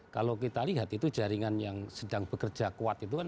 kalau kita lihat itu jaringan yang sedang bekerja kuat itu kan